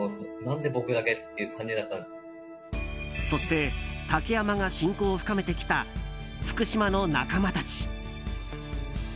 そして竹山が親交を深めてきた福島の仲間たち。